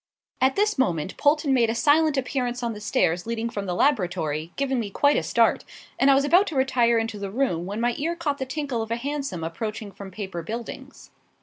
At this moment Polton made a silent appearance on the stairs leading from the laboratory, giving me quite a start; and I was about to retire into the room when my ear caught the tinkle of a hansom approaching from Paper Buildings.